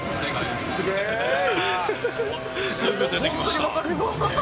すぐ出てきました。